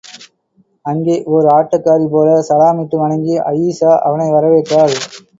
அங்கே, ஓர் ஆட்டக்காரிபோல சலாமிட்டு வணங்கி அயீஷா அவனை வரவேற்றாள்.